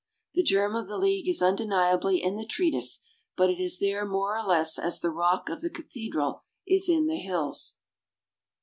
The germ of the League is undeniably in the treatise, but it is there more or less as the rock of the cathedral is in the hills.